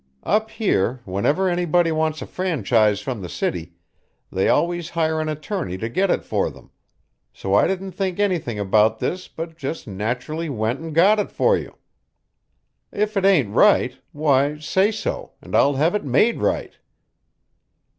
Up here, whenever anybody wants a franchise from the city, they always hire an attorney to get it for them, so I didn't think anything about this but just naturally went and got it for you. If it ain't right, why, say so and I'll have it made right.'"